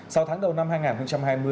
sau tháng đầu năm hai nghìn hai mươi